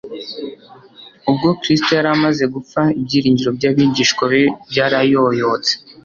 Ubwo Kristo yari amaze gupfa, ibyiringiro by'abigishwa be byarayoyotse.